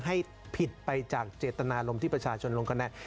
ให้ผิดไปจากเจตนารมณ์ที่ประชาชนลงคะแนน